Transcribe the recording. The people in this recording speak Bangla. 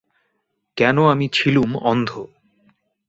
কেন আমি ছিলুম অন্ধ।